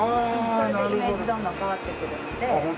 それでイメージどんどん変わってくるので。